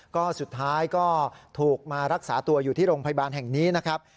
ก็สุดท้ายก็ถูกมารักษาตัวอยู่ที่โรงพยาบาลแห่งนี้นะครับ